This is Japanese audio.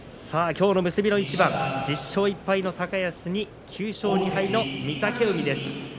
さあ、きょうの結びの一番１０勝１敗の高安に９勝２敗の御嶽海です。